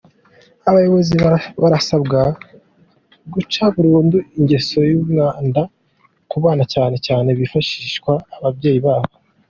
Abayobozi barasabwa guca burundu ingeso y’umwanda ku bana cyane cyane hifashishwa ababyeyi babo.